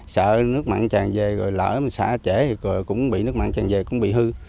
sợ nước mặn tràn về lỡ xả trễ thì cũng bị nước mặn tràn về cũng bị hư